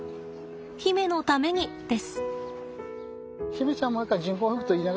媛のためにです。